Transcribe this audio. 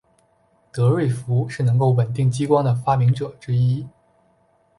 德瑞福是能够稳定激光的的发明者之一。